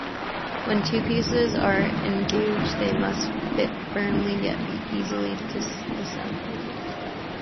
When two pieces are engaged they must fit firmly, yet be easily disassembled.